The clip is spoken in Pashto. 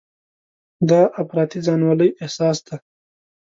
دا افراطي ځانولۍ احساس دی.